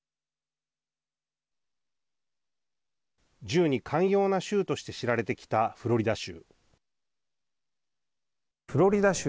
銃に寛容な州として知られてきたフロリダ州。